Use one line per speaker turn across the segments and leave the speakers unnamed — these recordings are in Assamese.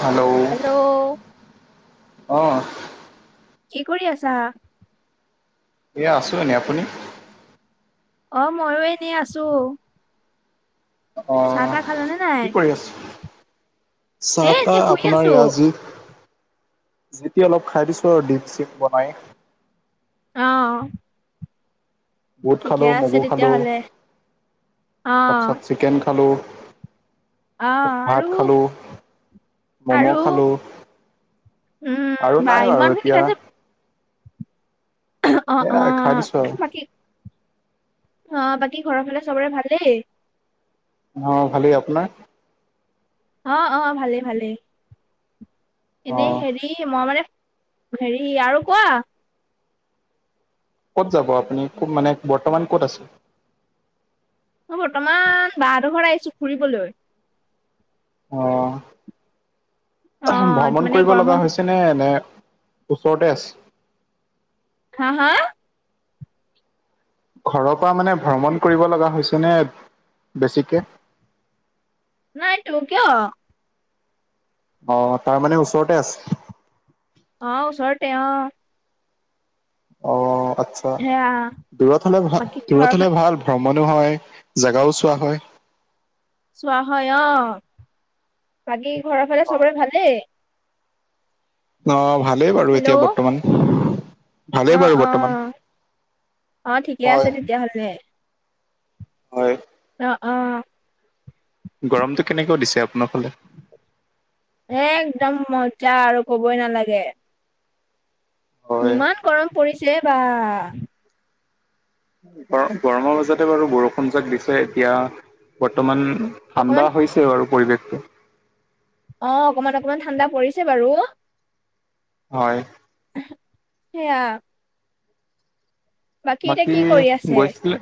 হেল্ল' অঁ
কি কৰি আছা?
এয়া আছো এনেই আপুনি!
অ মইও এনেই আছো।
অ
চাহ তাহ খালানে নাই?
কি কৰি আছো।
এ
চাহ
এনেই
তাহ
শুই
আপোনাৰ
আছো।
ইয় যি- যেতিয়া অলপ খাই দিছো আৰু ডিপ চিপ বনাই
অ।
বুট
ঠিকে
খালো,
আছে
মগু খালো,
তেতিয়াহলে। অ
তাৰপিছত চিকেন খালো
অ আৰু
ভাত খালো, ম'ম'
আৰু
খালো
উম
আৰু
বা
নাই
ইমান
বাৰু
শুনি
এতিয়া
আছে অ অ
এয়া খাই দিছো আৰু
বাকী -অ বাকী ঘৰৰ ফালে চবৰে ভালেই?
অ ভালেই। আপোনাৰ?
অ, অ, ভালে- ভালে এনেই
অঁ
হেৰি মই মানে, হেৰি আৰু কোৱা
ক'ত যাব আপুনি কত মানে বৰ্তমান ক'ত আছে?
মই বৰ্তমান বাহতৰ ঘৰত আহিছো ফুৰিবলৈ
অ
অ
ভ্ৰমণ
মানে
কৰিব লগা
গৰমত
হৈছে নে এনে ওচৰতে আছে?
হা হা?
ঘৰৰ পৰা মানে ভ্ৰমণ কৰিব লগা হৈছে নে বেছিকে?
নাইটো কিয়?
অ তাৰ মানে ওচৰতে আছে?
অ ওচৰতে অ।
অ আচ্ছা
সেয়া
দূৰত হলে ভাল,
বাকী ঘৰৰ
দূৰত
ফা
হলে ভাল।। ভ্ৰমণো হয় জেগাও চোৱা হয়।
চোৱা হয় অ, বাকী ঘৰৰ ফালে চবৰে ভালেই?
অ ভালেই বাৰু এতিয়া বৰ্তমান। ভালেই বাৰু
অ-অ,
বৰ্তমান
অ ঠিকে আছে
হয়
তেতিয়াহ'লে।
হয়।
অ অ।
গৰমটো কেনেকোৱা দিছে আপোনাৰ ফালে?
একদম মজা আৰু কবই নালাগে
হয়
ইমান গৰম পৰিছে বা
গৰ গৰমৰ মাজতে বাৰু বৰষুণ জাক দিছে এতিয়া বৰ্তমান
অকমান
ঠাণ্ডা হৈছে বাৰু পৰিৱেশটো
অ অকমান অকমান ঠাণ্ডা পৰিছে বাৰু
হয়।
সেইয়া। এতিয়া
বাকী
কি কৰি আছে?
গৈছিলে,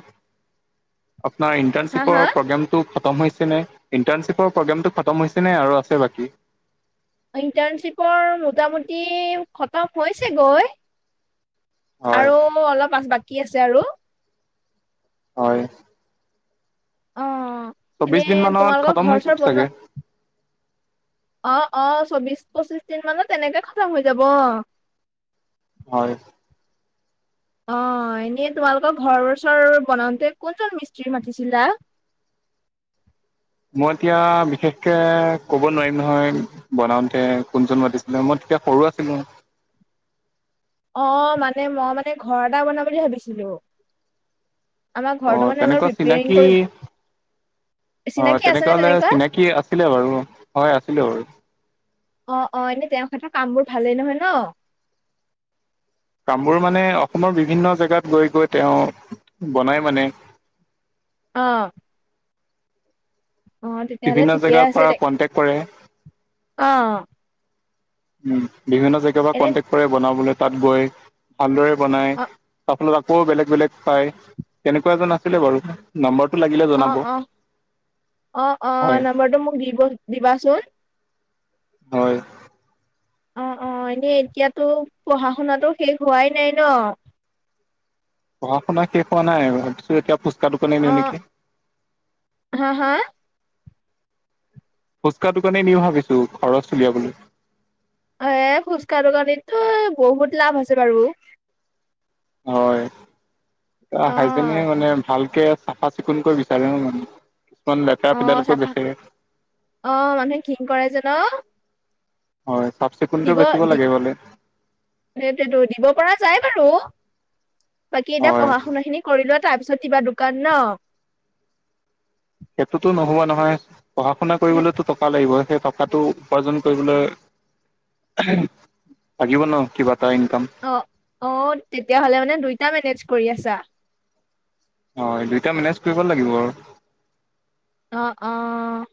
আপোনাৰ
হা হা
ইণ্টাৰ্ণশ্বিপৰ প্ৰগ্ৰেম টো খতম হৈছে নে? ইণ্টাৰ্ণশ্বিপৰ প্ৰগ্ৰেমটো খতম হৈছে নে আৰু আছে বাকী?
ইণ্টাৰ্ণশ্বিপৰ মোটামুটি খতম হৈছে গৈ
হয়
আৰু মোৰ অলপ আছে বাকী আছে আৰু
হয়।
অ,
চৌবিশ
এনেই
দিন মানত
তোমালোকৰ
খতম হৈ
ঘৰ
যাব
চৰ
চাগে
বনোৱা অ অ, চৌবিশ- পঁচিশ দিন মানত তেনেকে খতম হৈ যাব অ।
হয়।
অঁ এনেই তোমালোকৰ ঘৰৰ চৰ বনাওঁতে কোনজন মিস্ত্ৰী মাতিছিলা?
মই এতিয়া বিশেষকে ক'ব নোৱাৰিম নহয় বনাওঁতে কোনজন মাতিছিলে মই তেতিয়া সৰু আছিলো
অঁ মানে মই মানে ঘৰ এটা বনাম বুলি ভাবিছিলোঁ। আমাৰ
অ
ঘৰটো মানে অলপ
তেনেকুৱা
ৰিপেয়াৰিং
চিনাকি
কৰিম,
অ
চিনাকি আছে নে
হলে
তেনেকুৱা?
চিনাকি আছিলে বাৰু, হয় আছিলে বাৰু।
অ, অ, এনেই তেওঁৰ ক্ষেত্ৰত কামবোৰ ভালেই নহয় ন?
কামবোৰ মানে অসমৰ বিভিন্ন জেগাত গৈ গৈ তেওঁ বনায় মানে।
অঁ। অঁ তেতিয়াহলে
বিভিন্ন
ঠিকে
জেগাৰ
আছে
পৰা
দে
কন্টেক্ট কৰে
অ'।
উ বিভিন্ন জেগাৰ পৰা
এনে
কনটেক্ট কৰে বনাবলৈ, তাত গৈ ভালদৰে বনাই,
অ',
অল আকৌ বেলেগ বেলেগ পাই, তেনেকুৱা এজন আছিলে বাৰু। নাম্বাৰটো লাগিলে জনাব
অঁ অঁ, অঁ অঁ
হয়
নাম্বৰটো মোক দিব দিবাচোন।
হয়।
অঁ অঁ, এনেই এতিয়াতো পঢ়া শুনাাতটো শেষ হোৱাই নাই ন?
পঢ়া-শুনা শেষ হোৱা নাই, ভাবিছো এতিয়া ফুচকা দোকানেএ দিওঁ
অ',
নেকি!
হা, হা?
ফুচকা দোকানেই দিওঁ ভাবিছো, খৰচ উলিয়াবলৈ।
এ ফুচকা দোকানীঠুই বহুত লাভ আছে বাৰু।
হয়। হাইজেনে
অ',
মানে ভালকে চাফা চিকুণকৈ বিচাৰে ন মানু। কিছুমান লেতেৰা
অ',
পেতেৰালকৈ
চাফা
বেচে,
অ মানুহে ঘিন কৰে জে ন?
হয় চাফ-চিকুণতেও বেচিব লাগে বলে।
সেইতোএত দিব পৰা যাই বাৰু। বাকী এতিয়া
হয়
পঢ়া শুনা খিনি কৰি লোৱা, তাৰপিছত কিবা দোকান ন?
সেইটোতো নহব নহয়। পঢ়া-শুনা কৰিবলেতো টকা লাগিব। সেই টকা টো উপাৰ্জন কৰিবলৈ লাগিব ন? কিবা এটা ইনকাম।
অ, অ তেতিয়াহলে মানে দুইটা মেনেজ কৰি আছা?
হয় দুইটা মেনেজ কৰিব লাগিব আৰু।
অঁ, অঁ।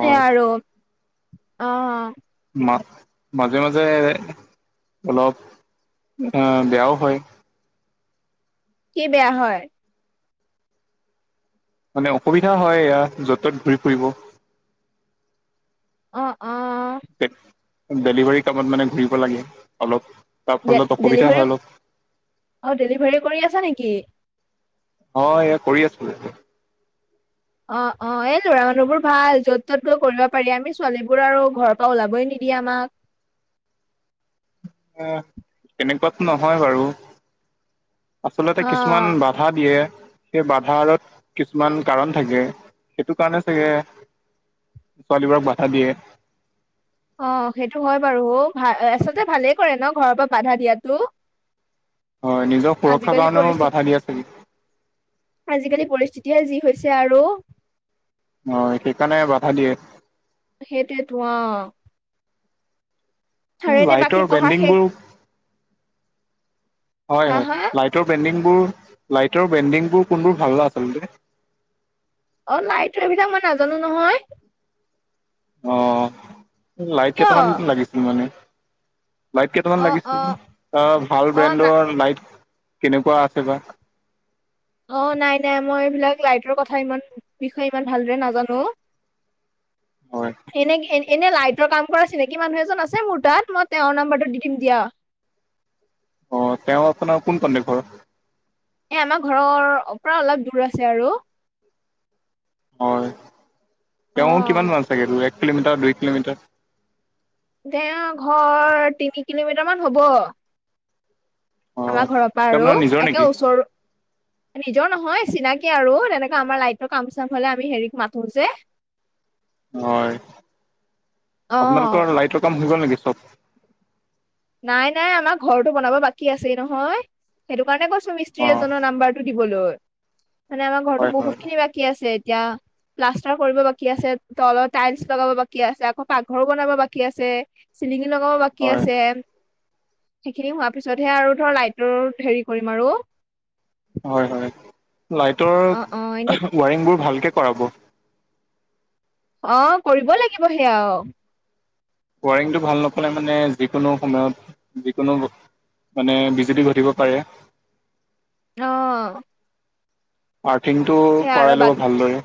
সে আৰু অ, অ।
মা মাজে-মাজে অলপ বেয়াও হয়।
কি বেয়া হয়?
মানে অসুবিধা হয় এয়া, য'ত ত'ত ঘূৰি ফুৰিব।
অ, অ।
ডেলিভাৰী কামত মানে ঘূৰিব লাগে অলপ। তাৰ ফলত অসুবিধা হয়
ডে'ডেলিভাৰীও,
অলপ
অঁ ডেলিভাৰীও কৰি আছা নেকি?
অ এয়া কৰি আছো এতিয়া।
অ, অ। এই ল'ৰা মানুহ বোৰ ভাল, য'ত ত'ত গৈ কৰিব পাৰি। আমি ছোৱালীবোৰ আৰু ঘৰৰ পৰা ওলাবই নিদিয়ে আমাক।
এ তেনেকুৱাতো নহয় বাৰু। আচলতে কিছুমান
অ',
বাট বাধা দিয়ে, সেই বাধা আৰত কিছুমান কাৰণ থাকে, সেইটো কাৰণে চাগে, ছোৱালীবোৰক বাধা দিয়ে।
অ সেইটো হয় বাৰু। ভা আচলতে ভালেই কৰে ন ঘৰৰ পৰা বাধা দিয়াতো?
হয়, নিজৰ সুৰক্ষাৰ
আজিকালি
কাৰণেও
পৰিস্থিতি
বাধা দি আছে নেকি।
আজিকালি পৰিস্থিতিয়ে যি হৈছে আৰু।
অ সেইকাৰণে বাধা দিয়ে।
সেইতোৱেটো অঁ।
মোৰ
বাকী
লাইটৰ
পঢ়া
বেণ্ডিং
শেষ
বোৰ, হয়
হা
হয়।
হা
লাইট লাইটৰ বেণ্ডিংবোৰ, লাইটৰ বেণ্ডিংবোৰ কোনবোৰ ভাল ন আচলতে?
অ লাইটৰ এইবিলাক মই নাজানো নহয়।
অঁ' লাইট
কিয়?
কেইটামান লাগিছিল মানে। লাইট কেইটামান
অ',
লাগিছিল।
অ',
আহ ভাল
অ', না
ব্ৰেণ্ডৰ লাইট কেনেকুৱা আছে বা?
অ নাই নাই, মই এইবিলাক লাইটৰ কথা ইমান বিষয়ে ইমান ভালদৰে নাজানো।
হয়।
এনে এনেই লাইটৰ কাম কৰা চিনাকি মানুহ এজন আছে মোৰ তাত, মই তেওঁৰ নাম্বৰটো দি দিম দিয়া।
অ তেওঁ আপোনাৰ কোন পণডে ঘৰ?
এ আমাৰ ঘৰৰ অপৰা অলপ দূৰ আছে আৰু।
হয় তেওঁ
অ'।
কিমানমান চাগে দুই এক কিলোমিটাৰ দুই কিলোমিটাৰ
তেওঁৰ ঘৰ তিনি কিলোমিটাৰ মান হ'ব।
অ
আমাৰ ঘৰৰ পৰা
তেওঁ
আৰু
আপোনাৰ নিজৰ
একে
নেকি
ওচৰো নিজৰ নহয় চিনাকি আৰু তেনেকা আমাৰ লাইটৰ কাম চাম হলে আমি হেৰিত মাতো যে
হয়
অ
আপোনালোকৰ লাইটৰ কাম হৈ গ'ল নেকি চব?
নাই নাই আমাৰ ঘৰটো বনাব বাকী আছেই নহয়। সেইটো কাৰণে কৈছো
অ
মিস্ত্ৰী এজনৰ নাম্বাৰটো দিবলৈ মানে আমাৰ ঘৰতো
হয় হয়
বহুত খিনি বাক- কি আছে এতিয়া? প্লাষ্টাৰ কৰিব বাকী আছে, তলত টাইলছ লগাব বাকী আছে, আকৌ পাকঘৰো বনাব বাকী আছে। চিলিঙি লগাব বাকী
হয়
আছে। সেইখিনি হোৱাৰ পিছতহে আৰু ধৰ লাইটৰ হেৰি কৰিম আৰু।
হয় হয় লাইটৰ
অ অ এনে
ৱাৰিংবোৰ ভালকে কৰাব।
অ কৰিব লাগিব সেয়া আও।
ৱাৰিংটো ভাল নকলে মানে যিকোনো সময়ত যিকোনো মানে বিজুতি ঘটিব পাৰে।
অ।
পাৰথিংটো
আৰু
কৰাই ল'ব
বাক
ভালদৰে।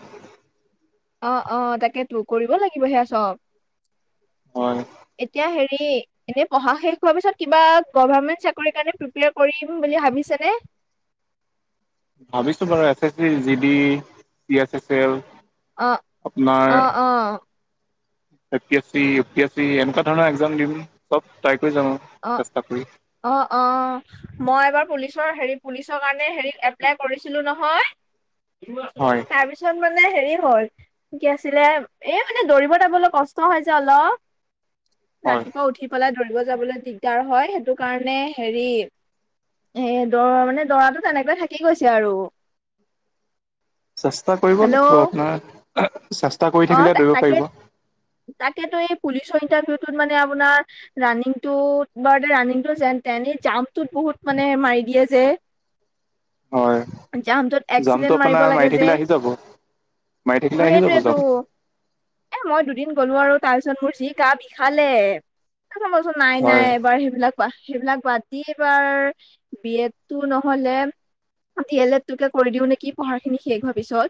অ অ তাকেতো কৰিব লাগিব সেয়া চব।
হয়
এতিয়া হেৰি এনে পঢ়া শেষ হোৱাৰ পিছত কিবা গভাৰমেন্ট চাকৰি কাৰণে প্ৰিপেয়াৰ কৰিম বুলি ভাবিছে নে?
ভাবিছো বাৰু S S C G D, C S S L
অ অ
আপোনাৰ
অ
A P S C, U P S C এনেকুৱা ধৰণৰ একজাম দিম চব ট্ৰাই কৰি জাম আও
অ
চেষ্টা কৰি
অ অ। মই এবাৰ পুলিচৰ হেৰি পুলিচৰ কাৰণে হেৰি এপ্লাই কৰিছিলো নহয়।
হয়
[unintelligible] তাৰপিছ ছত মানে হেৰি হ'ল কি আছিলে এই মানে দৌৰিব যাবলৈ কষ্ট হয় যে অলপ।
হয়
ৰাতিপুৱা উঠি পেলাই দৌৰিব যাবলৈ দিগদাৰ হয় সেইটো কাৰণে হেৰি এ দৰ মানে দৰাতো তেনেকৈয়ে থাকি গৈছে আৰু।
চেষ্টা কৰিব
হেল্ল'
লাগিব আপোনাৰ চেষ্টা কৰি
অ
থাকিলে ধৰিব
তাকে
পাৰিব।
তাকেতো এই পুলিচৰ ইণ্টাৰভিউটোত মানে আপোনাৰ ৰাণিং টো বাৰু তে ৰানিংটো যেন তেন জাম্পটোত বহুত মানে মাৰি দিয়ে যে্
হয়
জাম্পটোত এক্সিলেণ্ট
জাম্পটো
মাৰিব
আপোনাৰ
লাগে
মাৰি
যে
থাকিলে আহি যাব। মাৰি থাকিলে
মই
আহি যাব
সেইটোৱেতো
জাম্প।
এ মই দুদিন গ'লো আৰু তাৰপিছত মোৰ যি গা বিষালে সেইবাবে মই কৈছো নাই নাই
হয়
এবাৰ সেইবিলাক সেইবিলাক বাদ দি এবাৰ বি এড তো নহ'লে ডি এল এট তোকে কৰি দিও নেকি পঢ়াৰ খিনি শেষ হোৱাৰ পিছত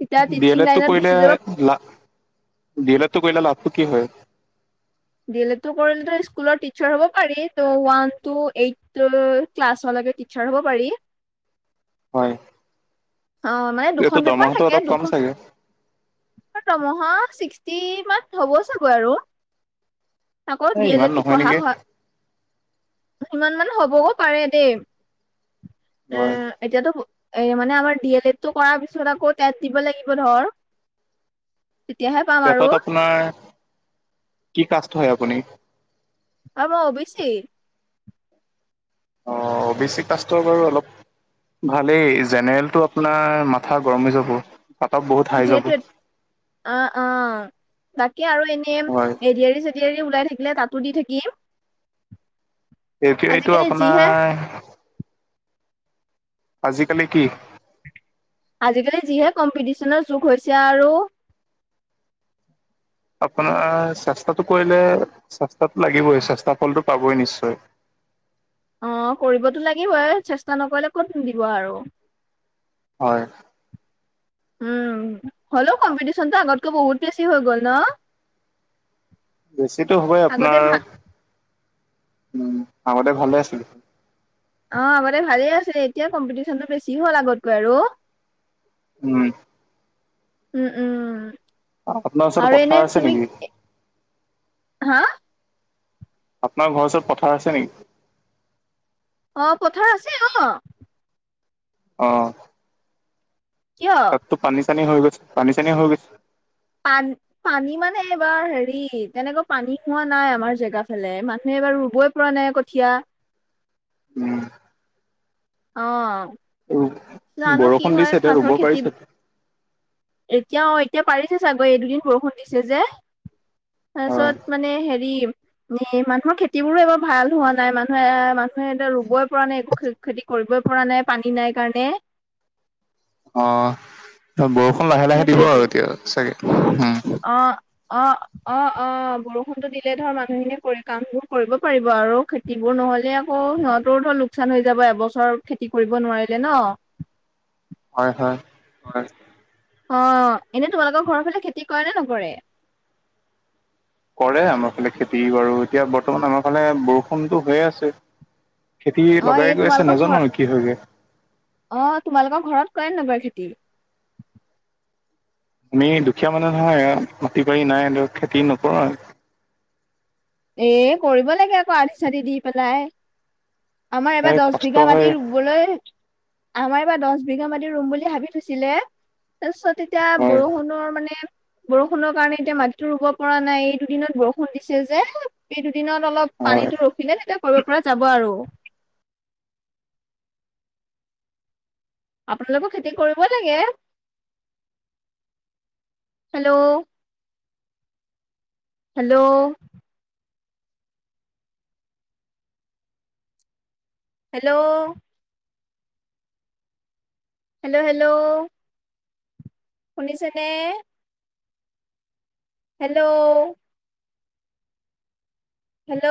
তেতিয়া তিত-
ডি এল এডটো কৰিলে লা ডি এল এতটো কৰিলে লাভটো কি হয়?
ডিল এল এতটো কৰিলেতো স্কুলত টিচাৰ হ'ব পাৰি ত ওৱান টু এইটয় ক্লাছলৈকে টিচাৰ হ'ব পাৰি।
হয়।
অ মানে
এইটো
দুখন পেপাৰ
দৰমহাটো
থাকে
অলপ কম
দুখ-
চাগে
তমহা ছিক্সটি মাত হ'ব চাগৈ আৰু আকৌ ডি
এ
এল
ইমান
এডটো
নহয়
পঢ়া
নেকি
হ- ইমান মান হ'বগো পাৰে দেই, এ
হয়
এতিয়াতো এ মানে আমাৰ ডি এল এডটো কৰাৰ পিছত আকৌ তাত দিব লাগিব ধৰ। তেতিয়াহে পাম আৰু।
নাৰ কি কাষ্ট হয় আপুনি?
অ মই অ বি ছি৷
অ- অ বি ছি কাষ্টৰ বাৰু অলপ ভালেই জেনেৰেলটো আপোনাৰ মাথা গৰম হৈ যাব৷ পাতত [unintelligible] বহুত৷ হাই যাব
সেইটোৱে অ-অ তাকে আৰু এনে
হয়
এ ডি আৰ [unintelligible] চে ডি আৰি ওলাই থাকিলে তাতো দি থাকিম৷
এতিয়া এইটো
আজিকালি যিহে
আপোনাৰ আজিকালি কি?
আজিকালি যিহে কম্পিটিচনৰ যুগ হৈছে আৰু
আপোনাৰ চেষ্টাতো কৰিলে চেষ্টাটো লাগিবই চেষ্টা ফলটো পাবই নিশ্চয়৷
অ কৰিবতো লাগিবই চেষ্টা নকৰিলে ক'ত নিদিব আৰু৷
হয়৷
উম হ'লেও কম্পিটিশনটো আগতকৈ বহুত বেছি হৈ গ'ল ন৷
বেছিতো হ'বই
আগতে
আপোনাৰ
ভা
উম আগতে ভালে আছিলে৷
অ আগতে ভালে আছিল এতিয়া কম্পিটিশনটো বেছি হ'ল আগতকৈ আৰু৷
উম৷
উম-উম
আপোনাৰ ওচৰত
আৰু
পথাৰ
এনে
আছে
তুমি
নেকি
হা
আপোনাৰ ঘৰ ওৰত পথাৰ আছে নেকি?
অ পথাৰ আছে অ৷
অ৷
কিয়?
তো পানী চানী হৈ গৈছে পানী চানী হৈ গৈছে
পান পানী মানে এইবাৰ হেৰি তেনেকা পানী হোৱা নাই আমাৰ জেগা ফালে মানুহে বাৰু ৰুবই উঠোৱা নাই কঠীয়া৷
উম৷
অহ
বৰষুণ দিছে এতিয়া ৰুব
খেতি
পাৰিছে টো৷
এতিয়া অ এতিয়া পাৰিছে চাগৈ এই দুদিন বৰষুণ দিছে যে৷
হয়
তাৰপিছত মানে হেৰি এ মানুহৰ খেতিবোৰো এবাৰ ভাল হোৱা নাই মানুহে-মানুহে এতিয়া ৰুবই পৰা নাই একো খেতি কৰিবই পৰা নাই পানী নাই কাৰণে৷
অ বৰষুণ লাহে-লাহে দিব
সেইটোয়েতো
আৰু এতিয়া চাগে উ
অ অ-অ-অ বৰষুণতো দিলে ধৰ মানুহখিনিয়ে কৰি কামবোৰ কৰিব পাৰিব আৰু খেতিবোৰ নহলে আকৌ সিহঁতৰো ধৰ লোকচান হৈ যাব এবছৰ খেতি কৰিব নোৱাৰিলে ন৷
হয়-হয়-হয়৷
অ এনে তোমালোকৰ ঘৰৰ ফালে খেতি কৰে নে নকৰে?
কৰে আমাৰ ফালে খেতি বাৰু এতিয়া বৰ্তমান আমাৰ ফালে বৰষুণতো হৈয়ে আছে৷ খেতি
অ
লগাই
এনে
গৈ আছে
তোমালোকৰ
নাজানো
ঘৰ
আৰু কি হয়গে৷
অ তোমালোকৰ ঘৰত কৰে নকৰে খেতি?
আমি দুখীয়া মানুহ নহয় মাটি বাৰী নাই খেতি নকৰোঁ
এ কৰিব লাগে আকৌ আধি চাঠি দি পেলাই৷ আমাৰ এবাৰ
এ
দচ
কষ্ট
বিঘা মাটি
হয়
ৰুবলৈ আমাৰ এইবাৰ দচ বিঘা মাটি ৰুম বুলি ভাবি থৈছিলে৷ তাৰপিছত এতিয়া
হয়
বৰষুণৰ মানে বৰষুণৰ কাৰণে এতিয়া মাটিতো ৰুব পৰা নাই এই দুদিনত বৰষুণ দিছে যে৷ এই দুদিনত অলপ
হয়।
পানীটো ৰখিলে তেতিয়া কৰিব পৰা যাব আৰু৷ আপোনালোকো খেতি কৰিব লাগে৷ hello hello hello hello hello শুনিছেনে হেল্ল হেল্ল